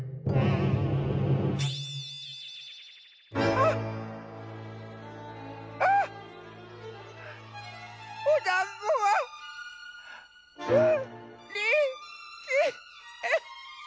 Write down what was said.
あっあっおだんごがうりきれ。